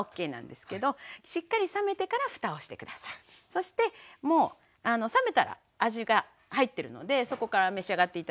そしてもう冷めたら味が入ってるのでそこから召し上がって頂ける。